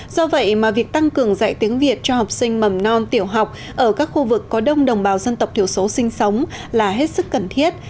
do vậy mà việc tăng cường dạy tiếng việt cho học sinh mầm non tiểu học ở các khu vực có đông đồng bào dân tộc thiểu số sinh sống là hết sức cần thiết